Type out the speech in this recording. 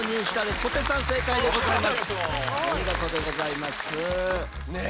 お見事でございます。